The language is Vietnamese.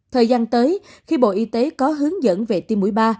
thời gian tới khi bộ y tế có hướng dẫn về tiêm mũi ba